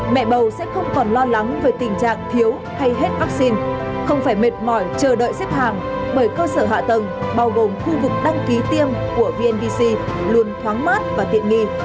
mẹ bầu sẽ không còn lo lắng về tình trạng thiếu hay hết vaccine không phải mệt mỏi chờ đợi xếp hàng bởi cơ sở hạ tầng bao gồm khu vực đăng ký tiêm của vnpc luôn thoáng mát và tiện nghi